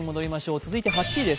続いて８位です。